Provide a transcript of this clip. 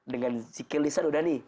dengan siki lisan udah nih